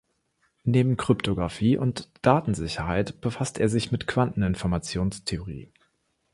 Neben Kryptographie und Datensicherheit befasst er sich mit Quanteninformationstheorie.